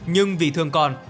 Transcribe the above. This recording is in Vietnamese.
nhưng vì thương con